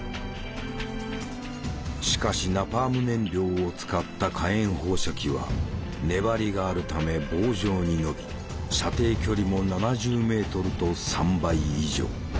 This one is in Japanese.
しかしナパーム燃料を使った火炎放射器は粘りがあるため棒状に伸び射程距離も７０メートルと３倍以上。